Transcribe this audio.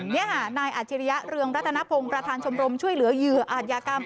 นี่ค่ะนายอาจริยะเรืองรัตนพงศ์ประธานชมรมช่วยเหลือเหยื่ออาจยากรรม